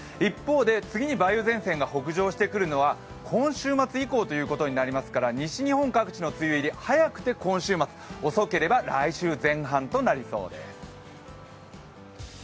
次に梅雨前線が北上してくるのは今週末以降ということになりますから西日本各地の梅雨入り早くて今週末、遅ければ来週前半となりそうです。